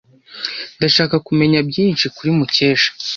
Ndashaka kumenya byinshi kuri Mukesha.